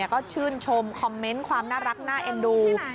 ก็ชื่นชมคอมเมนต์ความน่ารักน่าเอ็นดู